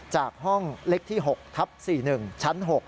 จากห้องเล็กที่๖ทับ๔๑ชั้น๖